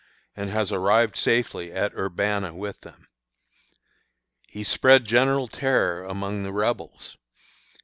and has arrived safely at Urbanna with them. He spread general terror among the Rebels.